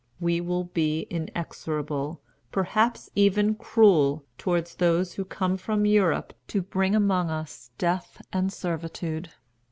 We will be inexorable, perhaps even cruel, toward those who come from Europe to bring among us death and servitude.